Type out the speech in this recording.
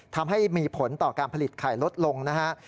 ทำให้มีผลต่อการผลิตไข่ลดลงนะฮะ